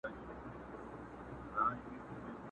یو دي زه یم په یارۍ کي نور دي څو نیولي دینه٫